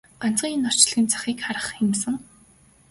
Ганцхан энэ орчлонгийн захыг нэг харах юмсан!